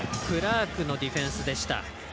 クラークのディフェンスでした。